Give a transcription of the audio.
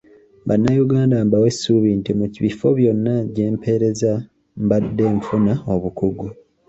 Bannayuganda mbawa essuubi nti mu bifo byonna gye mpeerezza mbadde nfuna obukugu.